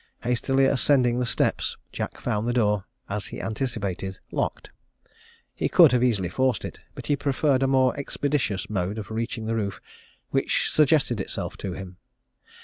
Hastily ascending the steps, Jack found the door, as he anticipated, locked. He could have easily forced it, but he preferred a more expeditious mode of reaching the roof which suggested itself to him.